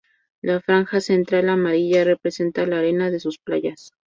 La franja central amarilla representa la arena de sus playas.